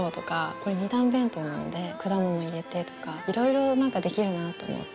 これ二段弁当なので果物入れてとかいろいろ何かできるなと思って。